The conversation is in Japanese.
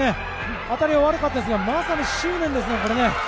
当たりは悪かったですがまさに執念ですね、これ。